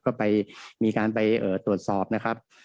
ก็ไปมีการไปตรวจสอบนะครับ